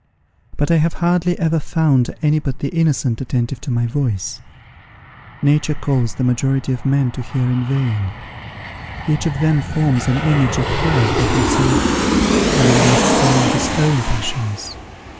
But I have hardly ever found any but the innocent attentive to my voice. Nature calls the majority of men to her in vain. Each of them forms an image of her for himself, and invests her with his own passions.